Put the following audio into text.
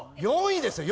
４位ですよ